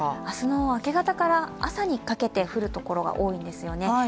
明日の明け方から朝にかけて降るところが多いんですよね。